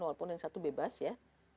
walaupun yang satu bebas ya